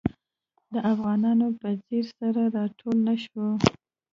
د افغانانو په څېر سره راټول نه شو.